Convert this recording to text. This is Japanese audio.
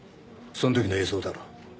その時の映像だろ。